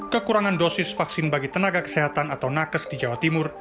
kekurangan dosis vaksin bagi tenaga kesehatan atau nakes di jawa timur